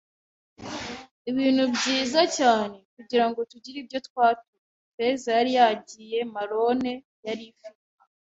ibintu byiza cyane, kugirango tugire ibyo twatuye. Ifeza yari yagiye. Marone yari ifite